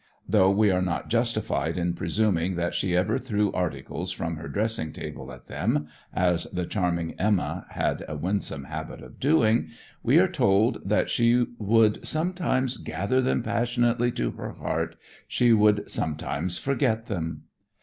Though we are not justified in presuming that she ever threw articles from her dressing table at them, as the charming "Emma" had a winsome habit of doing, we are told that "she would sometimes gather them passionately to her heart, she would sometimes forget them."